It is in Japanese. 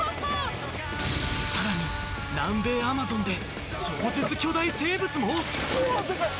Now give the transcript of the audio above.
更に、南米アマゾンで超絶巨大生物も？